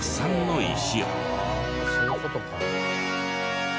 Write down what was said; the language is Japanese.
そういう事か。